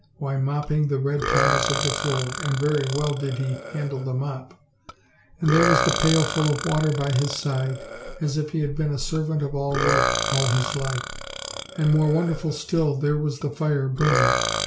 Why, mopping the red tiles of the floor, and very well did he handle the mop. And there was the pail full of water by his side, as if he had been a servant of all work all his life; and more won derful still, there was the fire burning!